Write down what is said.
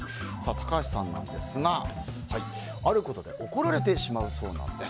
高橋さん、あることで怒られてしまうそうなんです。